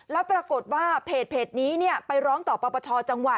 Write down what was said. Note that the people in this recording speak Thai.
แล้วปรากฏว่าเพจนี้ไปร้องต่อบบจ